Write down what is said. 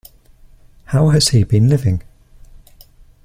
How has he been living?